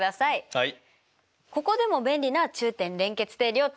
はい。